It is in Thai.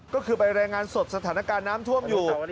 ก็คือไปรายงานสดสถานการณ์น้ำท่วมอยู่